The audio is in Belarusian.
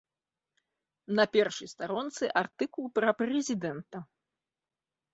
На першай старонцы артыкул пра прэзідэнта.